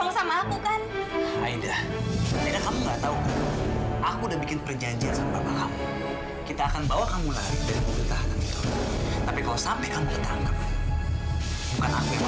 sampai jumpa di video selanjutnya